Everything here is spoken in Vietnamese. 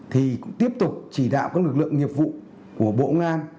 thì tiếp tục chỉ đạo các lực lượng nghiệp vụ của bộ công an